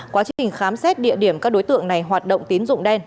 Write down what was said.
quá trình khám xét địa điểm các đối tượng này hoạt động tín dụng đen